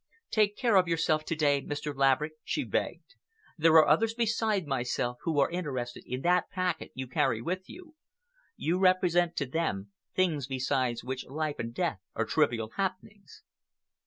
"Take care of yourself to day, Mr. Laverick," she begged. "There are others beside myself who are interested in that packet you carry with you. You represent to them things beside which life and death are trivial happenings."